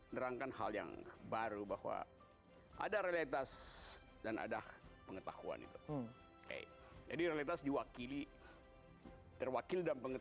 nyerangkan hal yang baru bahwa ada realitas dan ada pengetahuan theoretical kini terwakili kennen